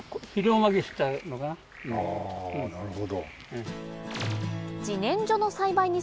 あなるほど。